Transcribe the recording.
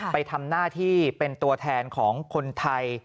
ไปทำหน้าที่เป็นตัวแทนของคนไทย